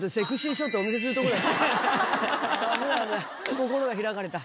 心が開かれた。